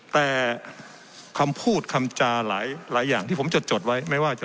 แต่คำพูดคำจาหลายอย่างที่ผมจดไว้ไม่ว่าจะ